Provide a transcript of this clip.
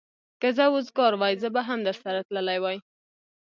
که زه وزګار وای، زه به هم درسره تللی وای.